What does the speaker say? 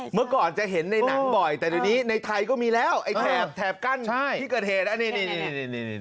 เมื่อก่อนจะเห็นในหนังบ่อยแต่เดี๋ยวนี้ในไทยก็มีแล้วไอ้แถบแถบกั้นที่เกิดเหตุอันนี้นี่